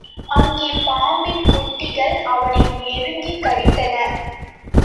அங்கே பாம்பின் குட்டிகள் அவனை நெருங்கிக் கடித்தன.